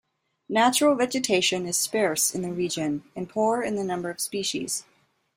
Natural vegetation is sparse in the region and poor in the number of species.